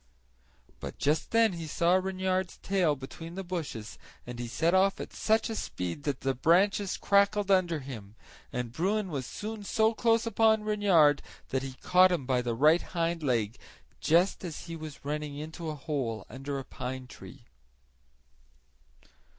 But just then he saw Reynard's tail between the bushes and he set off at such a speed that the branches crackled under him, and Bruin was soon so close upon Reynard that he caught him by the right hind leg just as be was running into a hole under a pine tree.